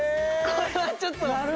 これはちょっと。